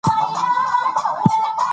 ایا دا درمل د سر درد لپاره دي؟